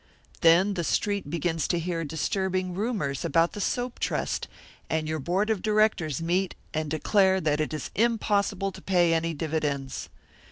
Then the Street begins to hear disturbing rumours about the soap trust, and your board of directors meet and declare that it is impossible to pay any dividends.